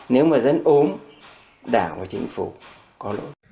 nếu mà dân ốm đảng và chính phủ có lỗi